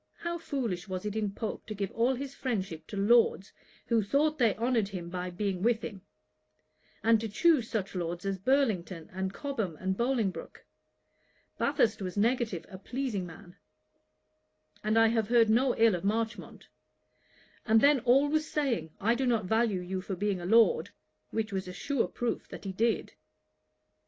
How foolish was it in Pope to give all his friendship to Lords, who thought they honoured him by being with him; and to choose such Lords as Burlington, and Cobham, and Bolingbroke! Bathurst was negative, a pleasing man; and I have heard no ill of Marchmont; and then always saying, "I do not value you for being a Lord;" which was a sure proof that he did.